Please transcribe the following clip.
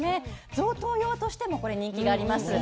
贈答用としてもこれ人気があります。